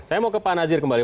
saya mau ke pak nazir kembali